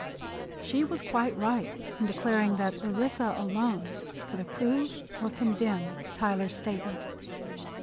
She was quite right in declaring that Orissa alone could approve or condemn Tyler's statement.